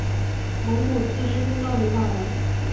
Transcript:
蒙古自治运动领导人之一。